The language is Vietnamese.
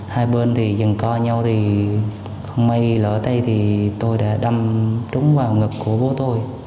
hai bên dần co nhau không may lỡ tay tôi đã đâm đúng vào ngực của bố tôi